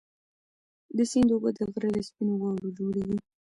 د سیند اوبه د غره له سپینو واورو جوړېږي.